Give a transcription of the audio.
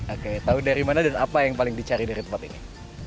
oke tahu dari mana dan apa yang paling dicari dari tempat ini